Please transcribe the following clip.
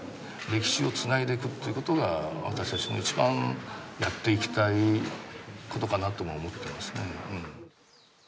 歴史をつないでいくっていう事が私たちの一番やっていきたい事かなとも思ってますね。